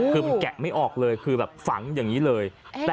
คือมันแกะไม่ออกเลยคือแบบฝังอย่างนี้เลย